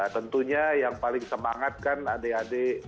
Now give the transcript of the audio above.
tentunya yang paling semangat kan adik adik